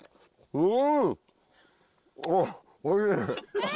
うん。